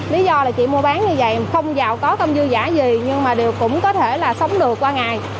lý do là chị mua bán như vậy không vào có thông dư giả gì nhưng mà đều cũng có thể là sống được qua ngày